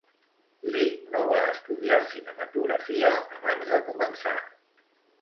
Lee no va estudiar cinematografia abans de començar.